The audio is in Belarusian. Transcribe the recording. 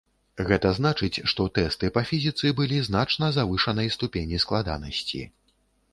Гэта значыць, што тэсты па фізіцы былі значна завышанай ступені складанасці.